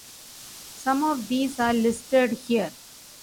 Some of these are listed here.